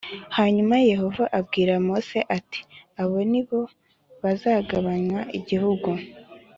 Hanyuma yehova abwira mose ati abo ni bo bazagabanywa igihugu